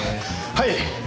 はい。